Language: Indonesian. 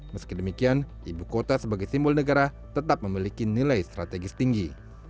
meski demikian ibu kota sebagai simbol negara tetap memiliki nilai strategis tinggi